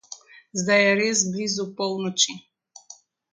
Zdaj je res blizu polnoči.